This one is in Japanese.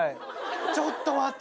ちょっと待って。